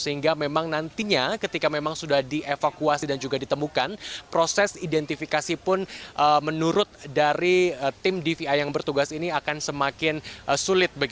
sehingga memang nantinya ketika memang sudah dievakuasi dan juga ditemukan proses identifikasi pun menurut dari tim dvi yang bertugas ini akan semakin sulit